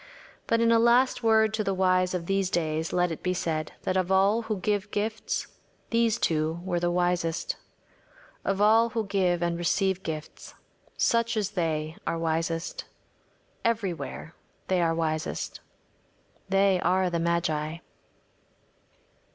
But in a last word to the wise of these days let it be said that of all who give gifts these two were the wisest. Of all who give and receive gifts, such as they are wisest. Everywhere they are wisest. They are the magi.